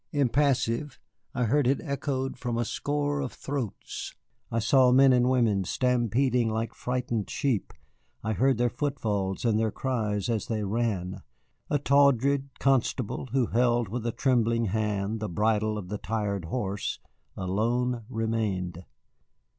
Impassive, I heard it echoed from a score of throats, I saw men and women stampeding like frightened sheep, I heard their footfalls and their cries as they ran. A tawdry constable, who held with a trembling hand the bridle of the tired horse, alone remained.